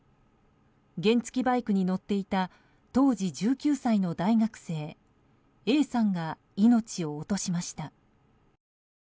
原付きバイクに乗っていた当時１９歳の大学生Ａさんが命を落としました。